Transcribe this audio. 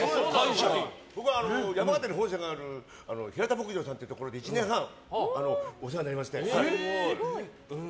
僕、山形に本社がある平田牧場さんっていうところで１年半お世話になりまして。